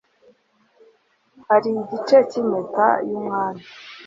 hari igice cy impeta y umwami